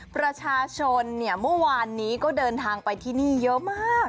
ประชาชนเนี่ยเมื่อวานนี้ก็เดินทางไปที่นี่เยอะมาก